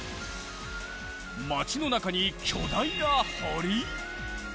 町の中に巨大な堀？